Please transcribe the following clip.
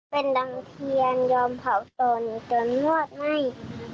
เป็นดังเทียนยอมเผาตนจนนวดให้